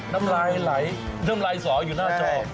น้ำไรหลายน้ำไรสออยู่หน้าจอม